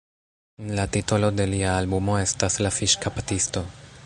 La titolo de lia albumo estas "La Fiŝkaptisto".